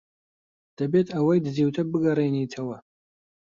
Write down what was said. دەبێت ئەوەی دزیوتە بیگەڕێنیتەوە.